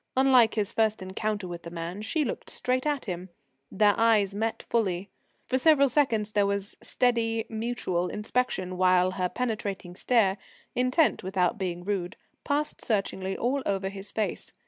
Unlike his first encounter with the man, she looked straight at him. Their eyes met fully. For several seconds there was steady mutual inspection, while her penetrating stare, intent without being rude, passed searchingly all over his face.